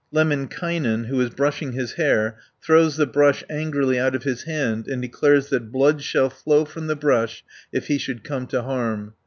Lemminkainen, who is brushing his hair, throws the brush angrily out of his hand and declares that blood shall flow from the brush if he should come to harm (129 212).